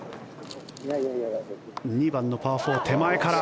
２番のパー４、手前から。